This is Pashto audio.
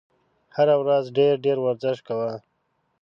هره ورځ ډېر ډېر ورزش کوه !